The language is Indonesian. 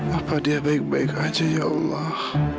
apa dia baik baik aja ya allah